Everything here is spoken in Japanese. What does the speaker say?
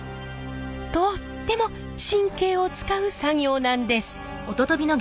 とっても神経を遣う作業なんです。